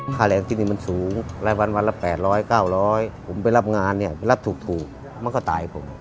ค่าแรงที่นี่มันสูงรายวันละ๘๐๐๙๐๐บาทผมไปรับงานรับถูกมันก็ตายผม